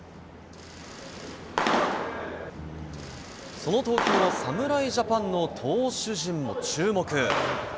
その投球は侍ジャパンの投手陣も注目。